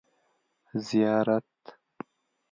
زيارت